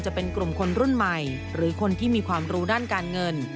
จะเป็นกลุ่มคนรุ่นใหม่หรือคนที่มีความรู้ด้านการเงิน